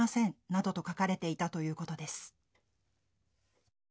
などと書かれていたということです。